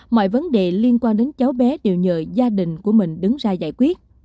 mọi vấn đề liên quan đến cháu bé đều nhờ gia đình của mình đứng ra giải quyết